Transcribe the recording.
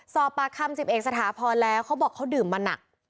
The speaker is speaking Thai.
สอบประคัม๑๑สถาพรแล้วเขาบอกเขาดื่มมาหนัก